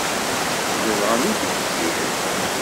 Zedɣen deg Tegzirt?